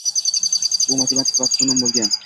U matematik va astronom boʻlgan.